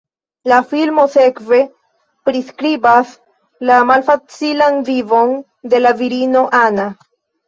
La filmo sekve priskribas la malfacilan vivon de la virino, Anna.